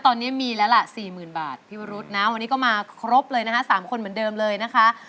ตอนนี้มีแล้วล่ะสี่หมื่นบาทพี่วรุฒินะวันนี้ก็มาครบเลยนะครับสามคนเหมือนเดิมเลยนะครับ